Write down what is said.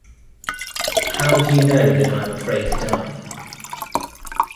How do you know that I am afraid to die?